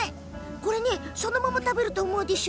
これ、そのまま食べると思うでしょ？